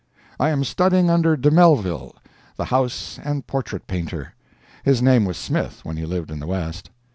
I am studying under De Mellville, the house and portrait painter. (His name was Smith when he lived in the West.)